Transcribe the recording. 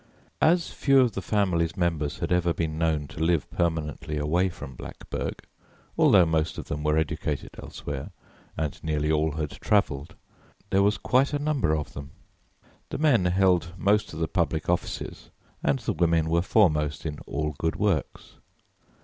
As few of the family's members had ever been known to live permanently away from Blackburg, although most of them were educated elsewhere and nearly all had travelled, there was quite a number of them. The men held most of the public offices, and the women were foremost in all good works.